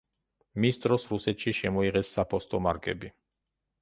მის დროს რუსეთში შემოიღეს საფოსტო მარკები.